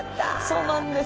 そうなんです！